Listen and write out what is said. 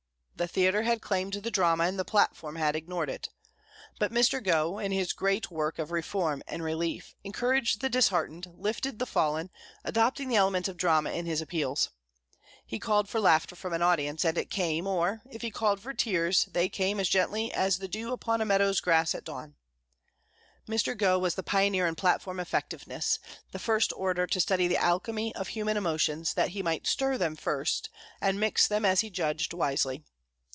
The theatre had claimed the drama, and the platform had ignored it. But Mr. Gough, in his great work of reform and relief, encouraged the disheartened, lifted the fallen, adopting the elements of drama in his appeals. He called for laughter from an audience, and it came; or, if he called for tears, they came as gently as the dew upon a meadow's grass at dawn. Mr. Gough was the pioneer in platform effectiveness, the first orator to study the alchemy of human emotions, that he might stir them first, and mix them as he judged wisely.